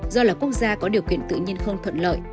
do là quốc gia có điều kiện tự nhiên không thuận lợi